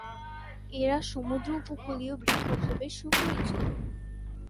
এরা সমুদ্র-উপকূলীয় বৃক্ষ হিসেবে সুপরিচিত।